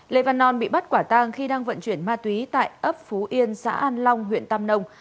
lệ văn nòn bị bắt quả tang khi đang vận chuyển ma túy tại ấp phú yên xã an long huyện tâm nông